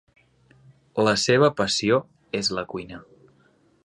La seva passió és la cuina.